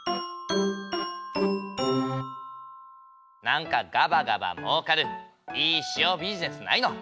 なんかガバガバもうかるいい塩ビジネスないの？